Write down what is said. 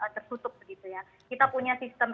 tertutup begitu ya kita punya sistem